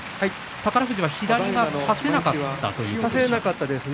宝富士は左は差せなかったんですか。